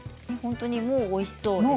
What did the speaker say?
もう本当においしそう。